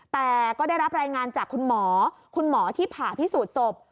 แต่ก็ได้รับรายงานจากคุณหมอคุณหมอที่ผ่าพิสูจน์ศพ